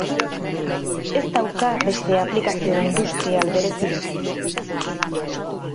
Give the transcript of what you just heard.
Ez dauka beste aplikazio industrial berezirik.